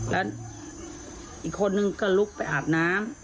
แล้วอีกคนนึงก็ลุกไปอาบน้ำ